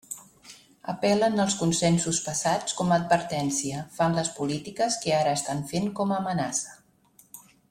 Apel·len als consensos passats com a advertència, fan les polítiques que ara estan fent com a amenaça.